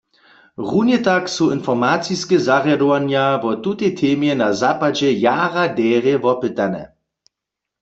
Runje tak su informaciske zarjadowanja wo tutej temje na zapadźe jara derje wopytane.